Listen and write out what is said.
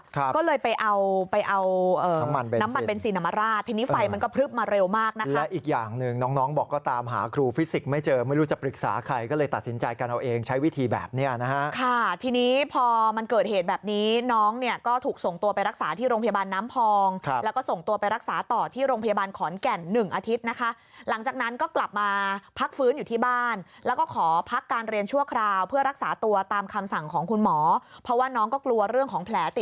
ก็เลยไปเอาน้ำมันบินซินน้ำมันบินซินน้ำมันบินซินน้ำมันบินซินน้ำมันบินซินน้ำมันบินซินน้ำมันบินซินน้ำมันบินซินน้ำมันบินซินน้ำมันบินซินน้ำมันบินซินน้ำมันบินซินน้ำมันบินซินน้ำมันบินซินน้ำมันบินซินน้ำมันบินซินน้ำมันบิ